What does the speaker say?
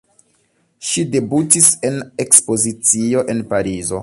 Ŝi debutis en ekspozicio en Parizo.